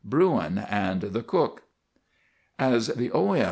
] 'BRUIN AND THE COOK.' "As the O. M.